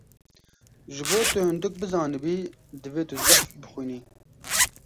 Ji bo tu hindik bizanibî divê zehf bixwînî.